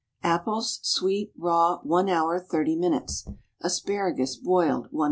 = Apples, sweet, raw, 1 hour, 30 minutes; Asparagus, boiled, 1 h.